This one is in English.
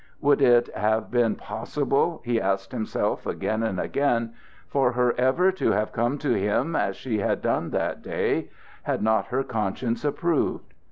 Would it have been possible, he asked himself again and again, for her ever to have come to him as she had done that day, had not her conscience approved?